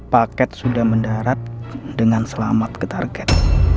paket sudah mendarat dengan selamat ke target